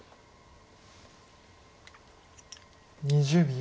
２０秒。